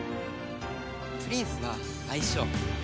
プリンスは愛称。